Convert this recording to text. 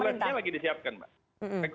ya betul regulasinya lagi disiapkan mbak